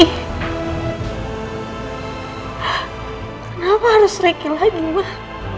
kenapa harus riki lagi mak